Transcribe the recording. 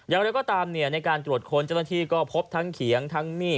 อย่างไรก็ตามในการตรวจค้นเจ้าหน้าที่ก็พบทั้งเขียงทั้งมีด